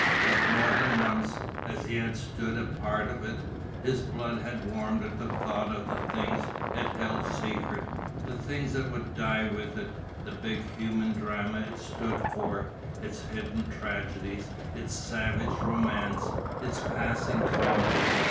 But more than once, as he had stood a part of it, his blood had warmed at the thought of the things it held secret, the things that would die with it, the big human drama it stood for, its hidden tragedies, its savage romance, its passing comedy.